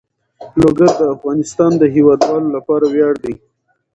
لوگر د افغانستان د هیوادوالو لپاره ویاړ دی.